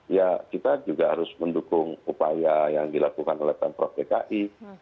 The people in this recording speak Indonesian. ya kita juga harus mendukung upaya yang dilakukan oleh pemprov dki